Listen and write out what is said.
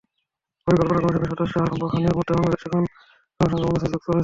পরিকল্পনা কমিশনের সদস্য আরাস্তু খানের মতে, বাংলাদেশে এখন জনসংখ্যা বোনাসের যুগ চলছে।